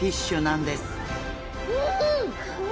うん！